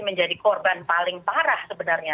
menjadi korban paling parah sebenarnya